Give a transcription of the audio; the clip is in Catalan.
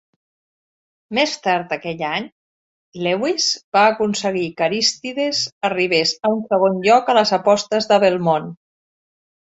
Més tard aquell any, Lewis va aconseguir que Arístides arribés a un segon lloc a les apostes de Belmont.